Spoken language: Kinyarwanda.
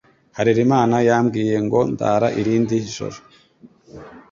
Harerimana yambwiye ngo ndara irindi joro.